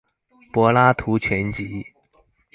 柏拉圖全集